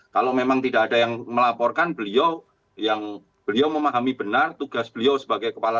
kalau memang tidak ada yang melaporkan beliau memahami benar tugas beliau sebagai kepala staf